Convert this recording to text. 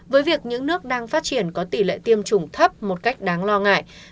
với việc những nước đang phát triển có tỷ lệ tiêm chủng thấp một cách đáng lo ngại